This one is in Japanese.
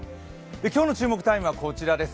今日の注目タイムはこちらです。